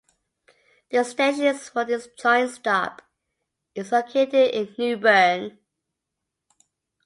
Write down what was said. The station for this joint stop is located in Newbern.